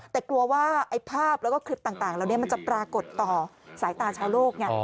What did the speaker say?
แต่กลัวว่าไอ้ภาพแล้วก็คลิปต่างเราจะปรากฏต่อสายตาชาวโลก